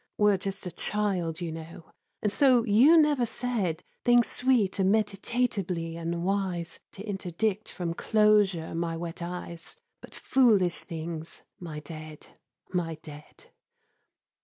Were just a child, you know; And so you never said Things sweet immeditatably and wise To interdict from closure my wet eyes: But foolish things, my dead, my dead!